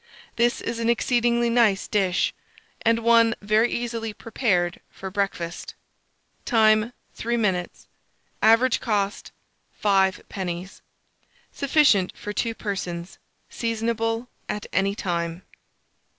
This is an exceedingly nice dish, and one very easily prepared for breakfast. Time. 3 minutes. Average cost, 5d. Sufficient for 2 persons. Seasonable at any time.